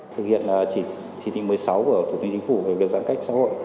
thực hiện chỉ tính một mươi sáu của thủ tư chính phủ về việc giãn cách xã hội